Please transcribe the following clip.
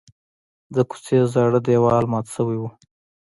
د کوڅې زاړه دیوال مات شوی و.